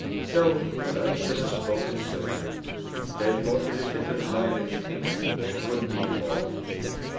'No; but I should have spoken sooner. There's more in this visit of mine than you think a good deal more.